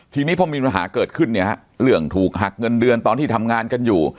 ทีนี้พอมีปัญหาเกิดขึ้นเนี่ยฮะเรื่องถูกหักเงินเดือนตอนที่ทำงานกันอยู่